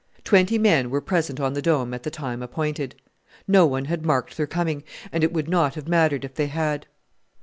Twenty men were present on the Dome at the time appointed. No one had marked their coming, and it would not have mattered if they had.